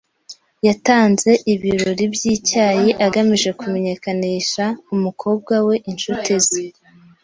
Yatanze ibirori byicyayi agamije kumenyekanisha umukobwa we inshuti ze .